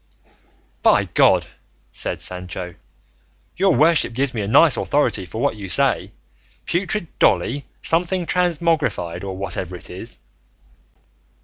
"By God," said Sancho, "your worship gives me a nice authority for what you say, putrid Dolly something transmogrified, or whatever it is."